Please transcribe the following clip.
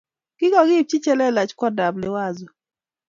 Kikokiibchi che lelach kwondap Liwazo